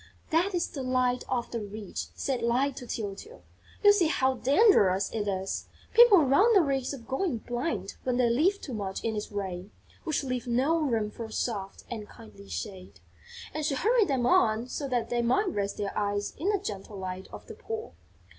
"That is the Light of the Rich," said Light to Tyltyl. "You see how dangerous it is. People run the risk of going blind when they live too much in its rays, which leave no room for soft and kindly shade." And she hurried them on so that they might rest their eyes in the gentle Light of the Poor.